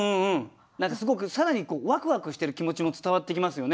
何かすごく更にわくわくしてる気持ちも伝わってきますよね。